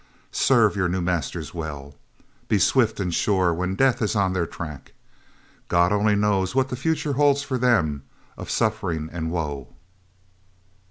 Serve your new masters well. Be swift and sure when Death is on their track. God only knows what the future holds for them of suffering and woe.